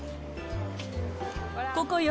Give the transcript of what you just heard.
ここよ。